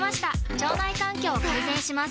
腸内環境を改善します